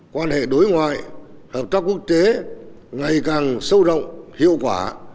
quan hệ đối ngoại hợp tác quốc tế ngày càng sâu rộng hiệu quả